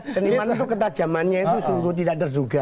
seniman itu ketajamannya itu sungguh tidak terduga